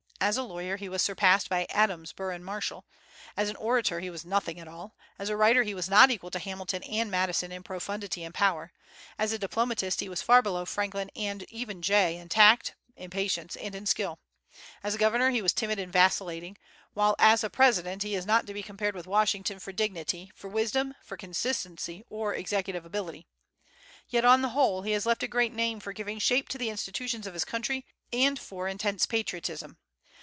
As a lawyer he was surpassed by Adams, Burr, and Marshall; as an orator he was nothing at all; as a writer he was not equal to Hamilton and Madison in profundity and power; as a diplomatist he was far below Franklin and even Jay in tact, in patience, and in skill; as a governor he was timid and vacillating; while as a president he is not to be compared with Washington for dignity, for wisdom, for consistency, or executive ability. Yet, on the whole, he has left a great name for giving shape to the institutions of his country, and for intense patriotism.